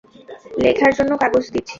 লেখার জন্য কাগজ দিচ্ছি।